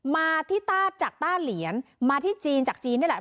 มาที่จากต้าเหลียนมาที่จีนจากจีนนี่แหละ